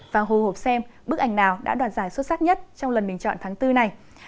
và hồ hộp xem bức ảnh nào đã đoạt giải xuất sắc nhất trong lần bình chọn tháng bốn này